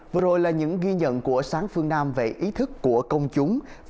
vừa rồi là những ghi nhận của sáng phương nam về ý thức của công chúng